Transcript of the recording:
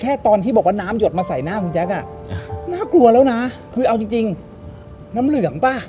ตอนที่บอกว่าน้ำหยดมาใส่หน้าคุณแจ๊คอ่ะน่ากลัวแล้วนะคือเอาจริงน้ำเหลืองป่ะ